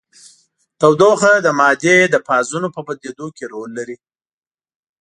تودوخه د مادې د فازونو په بدلیدو کې رول لري.